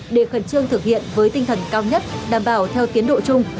để khẩn trương thực hiện với tinh thần cao nhất đảm bảo theo tiến độ chung